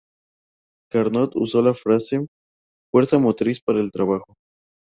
Carnot usó la frase fuerza motriz para el trabajo.